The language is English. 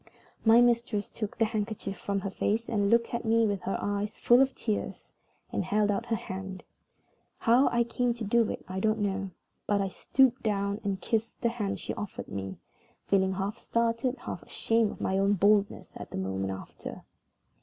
My mistress took the handkerchief from her face, looked at me with her eyes full of tears, and held out her hand. How I came to do it I don't know, but I stooped down and kissed the hand she offered me, feeling half startled, half ashamed at my own boldness the moment after.